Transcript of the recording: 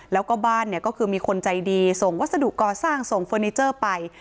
แล้วก็บ้านเนี่ยก็คือมีคนใจดีส่งวัสดุก่อสร้างส่งเฟอร์นิเจอร์ไป